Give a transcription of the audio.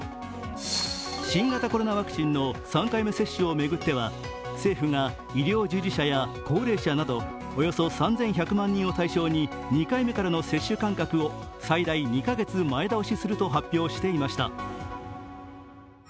新型コロナワクチンの３回目接種を巡っては、政府が医療従事者や高齢者などおよそ３１００万人を対象に２回目からの接種間隔を最大２カ月前倒しすると発表していました。